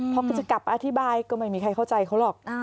พอก็จะกลับอธิบายก็ไม่มีใครเข้าใจเขาหรอก